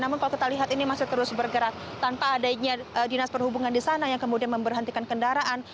namun kalau kita lihat ini masih terus bergerak tanpa adanya dinas perhubungan di sana yang kemudian memberhentikan kendaraan